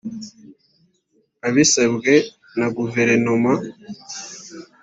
abisabwe na guverinoma